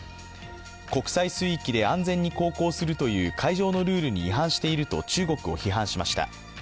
国際水域で安全に航行するという海上のルールに違反していると中国を批判しました。